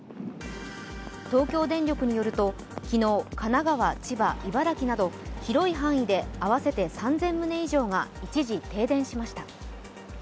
東京電力によりますと昨日神奈川、千葉、茨城など広い範囲で合わせて３０００棟以上が一時、停電しました。